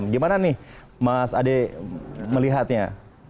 gimana nih mas ade melihatnya